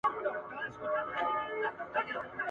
کله کله پر خپل ځای باندي درېږي !.